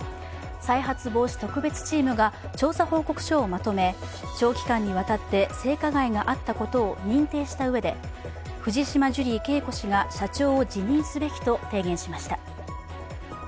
再発防止特別チームが調査報告書をまとめ、長期間にわたって性加害があったことを認定したうえで藤島ジュリー景子氏が社長を辞任すべきと提言しました。